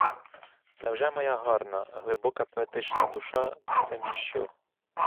Невже моя гарна, глибока поетична душа це ніщо?